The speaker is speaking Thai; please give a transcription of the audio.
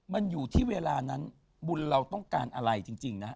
มันอยู่ที่เวลานั้นบุญเราต้องการอะไรจริงนะ